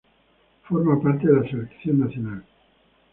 Forma parte de la Selección nacional.